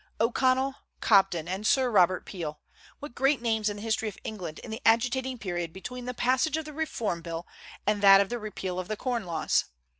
O'Connell, Cobden, and Sir Robert Peel, what great names in the history of England in the agitating period between the passage of the Reform Bill and that of the repeal of the corn laws!